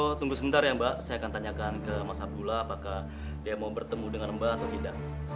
oh tunggu sebentar ya mbak saya akan tanyakan ke mas abdullah apakah dia mau bertemu dengan mbak atau tidak